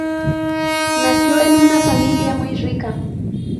Nació en una familia muy rica.